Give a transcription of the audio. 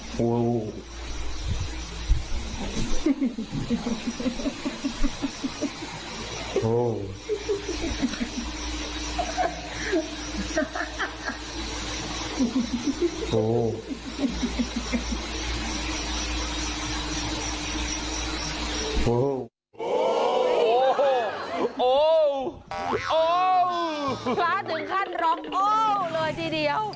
สละถึงขั้นรบโอ้วเลยทีเดียว